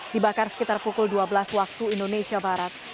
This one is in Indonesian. dibakar sekitar pukul dua belas waktu indonesia barat